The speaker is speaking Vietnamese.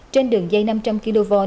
trên đường dây năm trăm linh kv